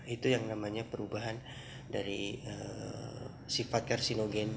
itu yang namanya perubahan dari sifat karsinogen